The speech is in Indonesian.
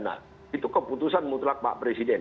nah itu keputusan mutlak pak presiden